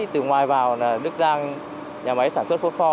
từ ngoài vào là nước giang nhà máy sản xuất phốt pho